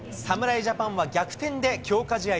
侍ジャパンは逆転で強化試合